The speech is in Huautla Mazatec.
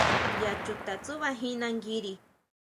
¿ʼYá chuta tsuʼbajín nanguiri?